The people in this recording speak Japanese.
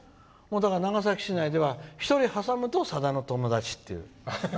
長崎市内では１人挟むとさだの友達。